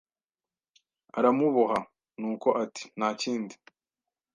Aramuboha, nuko ati nta kindi